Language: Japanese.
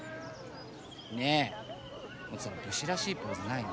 ねえもっと武士らしいポーズないの？